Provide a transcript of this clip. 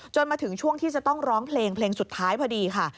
มาถึงช่วงที่จะต้องร้องเพลงเพลงสุดท้ายพอดีค่ะ